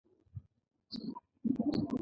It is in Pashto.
د تندر ږغ اسمان لړزوي.